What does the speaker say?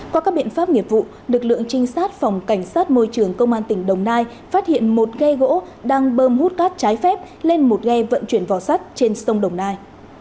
qua các biện pháp nghiệp vụ lực lượng trinh sát phòng cảnh sát môi trường công an tỉnh đồng nai phát hiện một ghe gỗ đang bơm hút cát trái phép lên một ghe vận chuyển vò sắt trên sông đồng nai